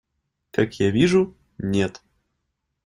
Как я вижу, нет.